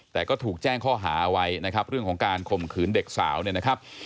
แต่ก็ถูกแจ้งข้อหาไว้นะครับเรื่องของการข่มขืนเด็กสาวเนี่ยนะครับ